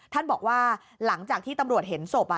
ท่านบอกว่าหลังจากที่ตำรวจเห็นสพอ่ะ